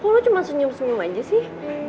kok lo cuma senyum senyum aja sih